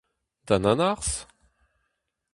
Da nanarzh ?